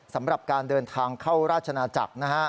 สำหรับการเดินทางเข้าราชนาจักรนะฮะ